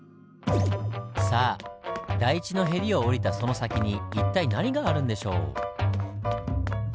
さあ台地のヘリを下りたその先に一体何があるんでしょう？